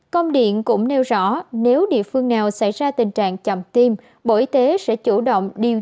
công điện cũng nêu rõ nếu địa phương nào xảy ra tình trạng chậm tiêm bộ y tế sẽ chủ động điều